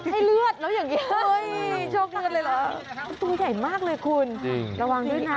ให้เลือดแล้วอย่างนี้โชคเลือดเลยเหรอตัวใหญ่มากเลยคุณระวังด้วยนะ